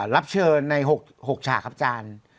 รับเชิญในหกฉากครับจาน